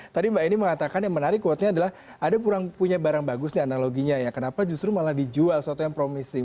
tadi mbak eni mengatakan yang menarik quote nya adalah ada kurang punya barang bagus nih analoginya ya kenapa justru malah dijual sesuatu yang promisi